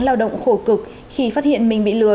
lao động khổ cực khi phát hiện mình bị lừa